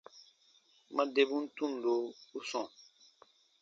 Ma debun tundo u sɔ̃ɔ.